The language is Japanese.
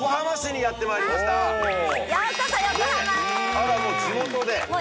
あらもう地元で？